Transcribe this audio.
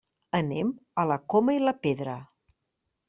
Anem a la Coma i la Pedra.